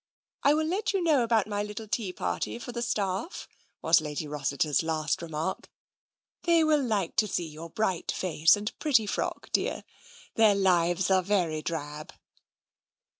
" I will let you know about my little tea party for the staff," was Lady Rossiter's last remark. "They will like to see your bright face and pretty frock, dear. Their lives are very drab."